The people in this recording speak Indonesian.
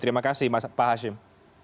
terima kasih pak hashim